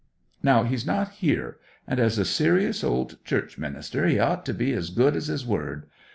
Now he's not here, and as a serious old church minister he ought to be as good as his word.